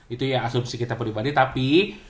itu ya asumsi kita pribadi tapi